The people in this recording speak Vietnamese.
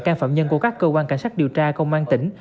các phạm nhân của các cơ quan cảnh sát điều tra công an tỉnh